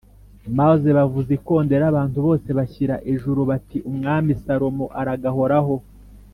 maze bavuza ikondera abantu bose bashyira ejuru bati “Umwami Salomo aragahoraho.”